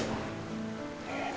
kalak banget sih ya